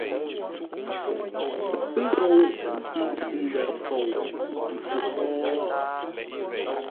Pə́ ghou nzʉ-ndə̂ fou mpfu hó?